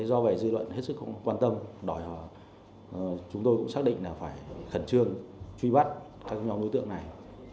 do về dư luận hết sức quan tâm chúng tôi cũng xác định là phải khẩn trương truy bắt các nhóm đối tượng này